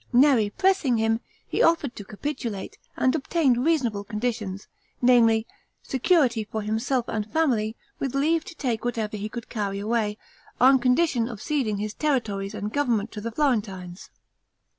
Neri pressing him, he offered to capitulate, and obtained reasonable conditions, namely, security for himself and family, with leave to take whatever he could carry away, on condition of ceding his territories and government to the Florentines.